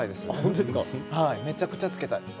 めちゃくちゃつけたいです。